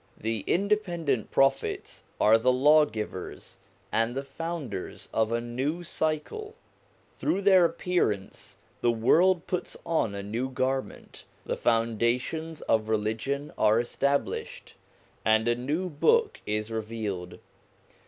The independent Prophets are the lawgivers and the founders of a new cycle. Through their appearance the world puts on a new garment, the foundations of religion are established, and a new book is revealed.